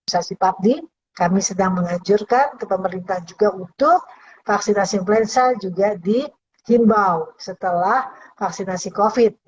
sampai di kami sedang mengajurkan ke pemerintah juga untuk vaksinasi influenza juga di jimbau setelah vaksinasi covid sembilan belas